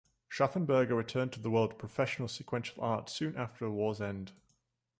Schaffenberger returned to the world of professional sequential art soon after war's end.